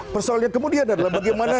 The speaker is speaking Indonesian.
persoalannya kemudian adalah bagaimana